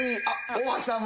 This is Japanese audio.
大橋さん。